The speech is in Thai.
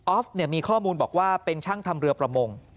มีข้อมูลบอกว่าเป็นช่างทำเรือประมง